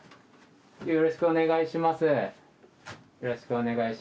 よろしくお願いします。